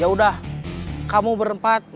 ya udah dia sudah selesai